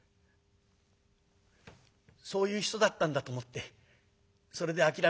「そういう人だったんだと思ってそれで諦めます」。